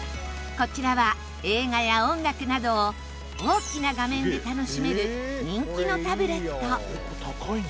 こちらは映画や音楽などを大きな画面で楽しめる人気のタブレット。